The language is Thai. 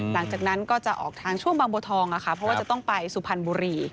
หลังจากนั้นก็จะออกทางช่วงบางบัวทองค่ะเพราะว่าจะต้องไปสุพรรณบุรี